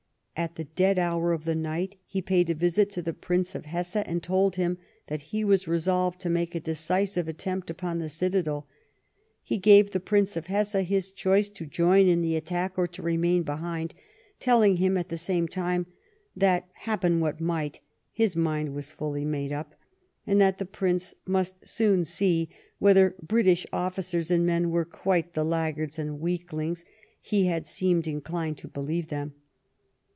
At the dead hour of night he paid a visit to the Prince of Hesse and told him that he was resolved to make a decisive attempt upon the citadel. He, gave the Prince of Hesse his choice to join in the attack or to remain behind, telling him at the same time that, happen what might, his mind was fully made up, and that the Prince must soon see whether British officers and men were quite the lag^ gards and weaklings he had seemed inclined to believe them.